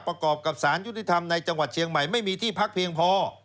ประกอบกับสารยุติธรรมในจังหวัดเชียงใหม่ไม่มีที่พักเพียงพอ